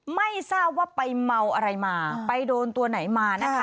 ไม่ทราบว่าไปเมาอะไรมาไปโดนตัวไหนมานะคะ